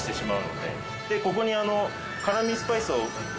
でここに。